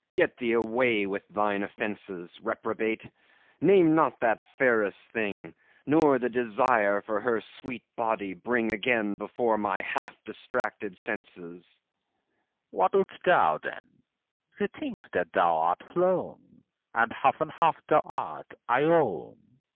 FAUST Get thee away with thine offences, Reprobate! Name not that fairest thing, Nor the desire for her sweet body bring Again before my half distracted senses! MEPHISTOPHELES What wouldst thou, then? She thinks that thou art flown; And half and half thou art, I own.